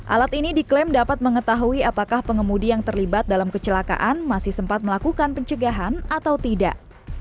alat ini diklaim dapat mengetahui apakah pengemudi yang terlibat dalam kecelakaan masih sempat melakukan pencegahan atau tidak